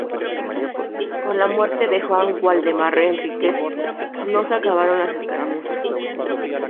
Con la muerte de Juan Waldemar Henríquez, no se acabaron las escaramuzas.